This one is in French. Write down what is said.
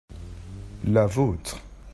la vôtre.